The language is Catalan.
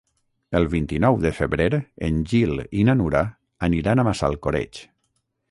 El vint-i-nou de febrer en Gil i na Nura aniran a Massalcoreig.